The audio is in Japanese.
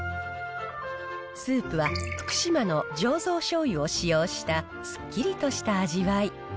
スープは福島の醸造しょうゆを使用したすっきりとした味わい。